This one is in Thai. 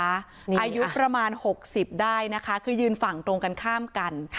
อายุประมาณ๖๐ได้นะคะคือยืนฝั่งตรงกันข้ามกัน